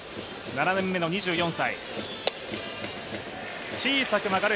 ７年目の２４歳。